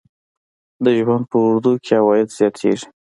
د ژوند په اوږدو کې عواید زیاتیږي.